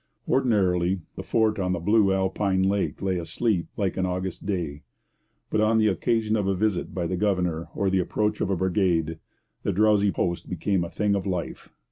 Ordinarily, the fort on the blue alpine lake lay asleep like an August day; but on the occasion of a visit by the governor or the approach of a brigade, the drowsy post became a thing of life.